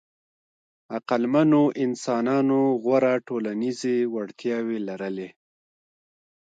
عقلمنو انسانانو غوره ټولنیزې وړتیاوې لرلې.